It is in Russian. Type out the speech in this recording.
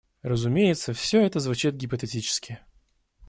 Разумеется, все это звучит гипотетически.